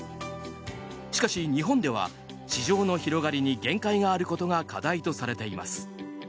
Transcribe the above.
しかし、日本では市場の広がりに限界があることが課題とされています。